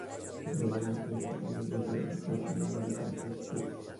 Sus libros más famosos incluyen "Italian Hours" y "The American Scene".